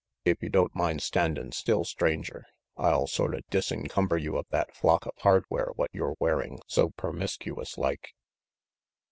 If you don't mind standin' still, Stranger, I'll sorta disencumber you of that flock of hardware what you're wearin' so permiskuous like."